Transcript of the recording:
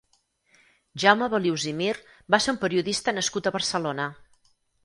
Jaume Balius i Mir va ser un periodista nascut a Barcelona.